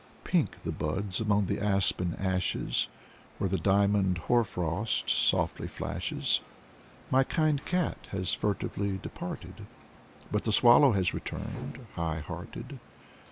Pink the buds among the aspen's ashes Where the diamond hoar frost softly flashes. My kind cat has furtively departed, But the swallow has returned, high hearted.